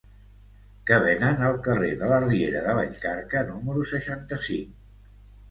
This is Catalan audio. Què venen al carrer de la Riera de Vallcarca número seixanta-cinc?